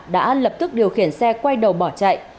đã lập tức điều khiển xe quay đầu bỏ chạy